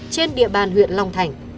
trên địa bàn huyện long thành